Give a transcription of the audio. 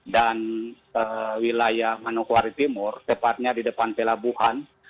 dan wilayah manukwari timur tepatnya di depan pelabuhan